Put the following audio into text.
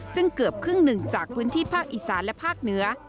ซึ่งเกือบครึ่งหนึ่งจากพื้นที่ภาคอีสานและภาคเหนือ